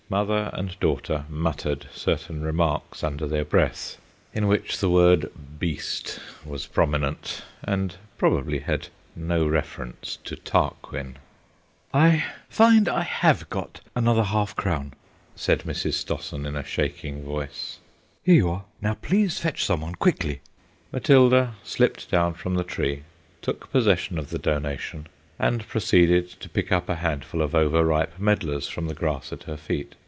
Mother and daughter muttered certain remarks under their breath, in which the word "beast" was prominent, and probably had no reference to Tarquin. "I find I have got another half crown," said Mrs. Stossen in a shaking voice; "here you are. Now please fetch some one quickly." Matilda slipped down from the tree, took possession of the donation, and proceeded to pick up a handful of over ripe medlars from the grass at her feet.